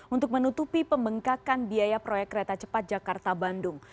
untuk menutupi pembengkakan biaya proyek kereta cepat jakarta bandung